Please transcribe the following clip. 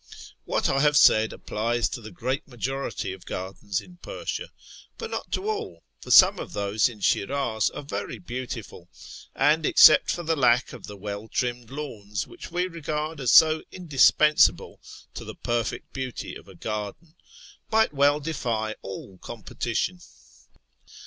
What I have said applies to the great majority of gardens in Persia, but not to all ; for some of those in Shi'raz are very beautiful, and, except for the lack of the well trimmed lawns which we regard as so indispensable to the perfect beauty of a garden, might well defy all competition.